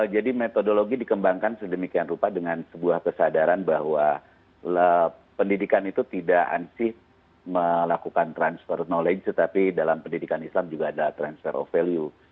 jadi metodologi dikembangkan sedemikian rupa dengan sebuah kesadaran bahwa pendidikan itu tidak ansih melakukan transfer knowledge tetapi dalam pendidikan islam juga ada transfer of value